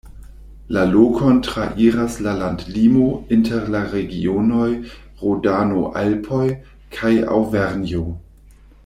La lokon trairas la landlimo inter la regionoj Rodano-Alpoj kaj Aŭvernjo.